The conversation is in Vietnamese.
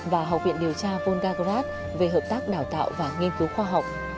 và học viện điều tra vunga grat về hợp tác đào tạo và nghiên cứu khoa học